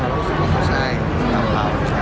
เรารู้สึกว่าสุดช่ายสำหรับเรา